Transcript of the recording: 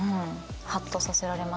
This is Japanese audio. ハッとさせられますね。